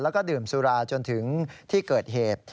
แล้วก็ดื่มสุราจนถึงที่เกิดเหตุ